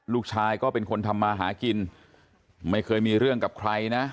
ลูกชายก็เป็นคนทำมาหากินไม่เคยมีเรื่องกับใครนะ